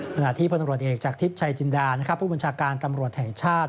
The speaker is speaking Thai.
ขณะที่พลตำรวจเอกจากทิพย์ชัยจินดาผู้บัญชาการตำรวจแห่งชาติ